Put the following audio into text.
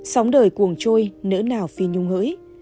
sống đời cuồng trôi nỡ nào phi nhung hỡi